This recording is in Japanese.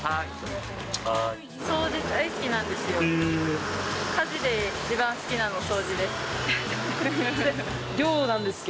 掃除、大好きなんですよ。